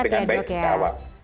dengan baik sejak awal